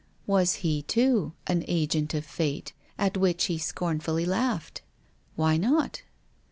Was he, too, an agent of Fate, at which he scorn fully laughed ? Why not